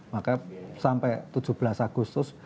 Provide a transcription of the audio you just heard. maka sampai tujuh belas agustus